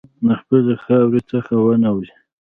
له خپلې خاورې څخه ونه وځې.